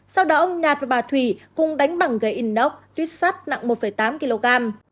sau đó ông nhạt và bà thủy cùng đánh bằng gây inox tuyết sắt nặng một tám kg